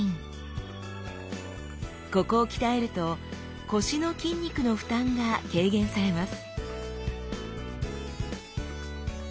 ここを鍛えると腰の筋肉の負担が軽減されます